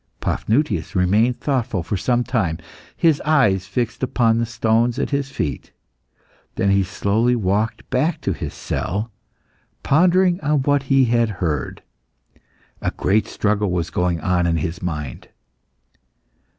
Paphnutius remained thoughtful for some time, his eyes fixed upon the stones at his feet. Then he slowly walked back to his cell, pondering on what he had heard. A great struggle was going on in his mind.